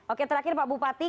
oke terakhir pak bupati